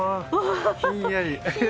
ひんやり。